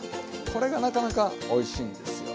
これがなかなかおいしいんですよ。